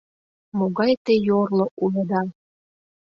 — Могай те йорло улыда!